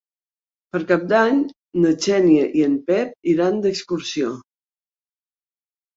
Per Cap d'Any na Xènia i en Pep iran d'excursió.